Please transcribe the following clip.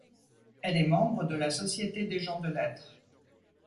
Elle est membre de la Société des gens de lettres.